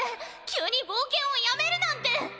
急にぼうけんをやめるなんて！